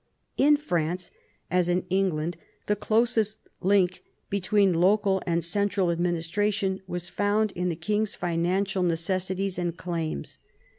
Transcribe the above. In France, as in England, the closest link between local and central administration was found in the king's financial necessities and claims.